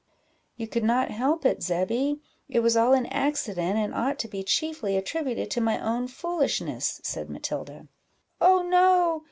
"You could not help it, Zebby; it was all an accident, and ought to be chiefly attributed to my own foolishness," said Matilda. "Oh, no!